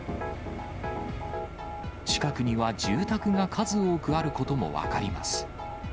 近くには住宅が数多くあることも分かります。